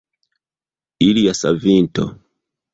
Ilia savinto!